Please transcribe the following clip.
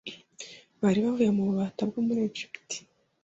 bari bavuye mu bubata bwo muri Egiputa